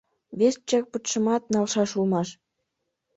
Вес черпытшымат налшаш улмаш.